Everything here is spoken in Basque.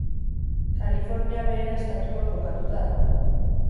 Kalifornia Beherea estatuan kokatua dago.